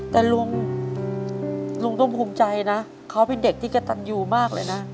แต่ลุงลุงต้องภูมิใจนะเขาเป็นเด็กที่กระตันยูมากเลยนะ